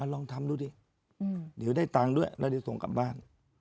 ลองทำดูดิเดี๋ยวได้ตังค์ด้วยแล้วเดี๋ยวส่งกลับบ้าน